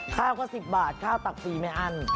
ข้าวก็๑๐บาทข้าวตักฟรีไม่อั้น